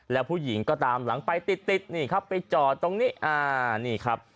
แล้วผู้หญิงก็ตามหลังไปติดติดนี่ครับไปจอดตรงนี้อ่านี่ครับ